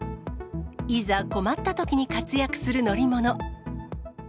いざ、困ったときに活躍する乗り物。